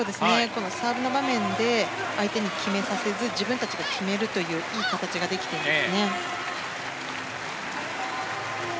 サーブの場面で相手に決めさせず自分たちが決めるといういい形ができていますね。